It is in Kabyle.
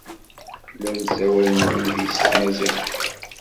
Llan ssawalen yid-i s tmaziɣt kan.